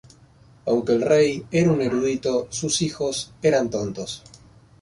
Aunque el rey era un erudito, sus hijos eran tontos.